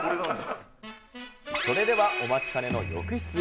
それではお待ちかねの浴室へ。